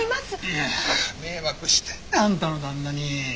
いや迷惑してるんだよあんたの旦那に。